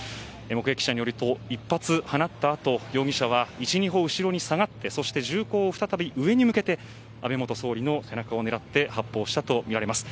目撃者によると一発、放ったあと容疑者は１、２歩後ろに下がってそして銃口を再び上に向けて安倍元総理の背中を狙って発砲したとみられます。